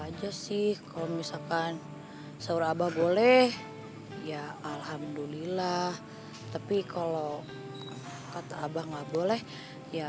aja sih kalau misalkan sahur abah boleh ya alhamdulillah tapi kalau kata abah nggak boleh ya